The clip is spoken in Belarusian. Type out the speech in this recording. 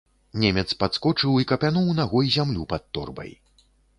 Немец падскочыў і капянуў нагой зямлю пад торбай.